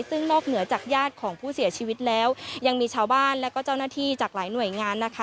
ซึ่งนอกเหนือจากญาติของผู้เสียชีวิตแล้วยังมีชาวบ้านและก็เจ้าหน้าที่จากหลายหน่วยงานนะคะ